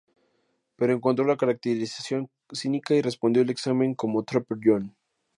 Pero encontró la caracterización cínica y respondió el examen como Trapper John.